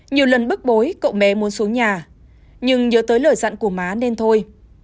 nhiều lần bức bối cậu bé muốn xuống nhà nhưng nhớ tới lời dặn của má nên thôi